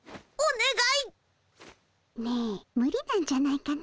ねえ無理なんじゃないかな。